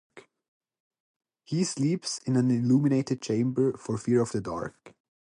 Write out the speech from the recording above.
He sleeps in an illuminated chamber for fear of the dark.